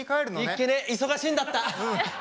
いっけねえ忙しいんだった。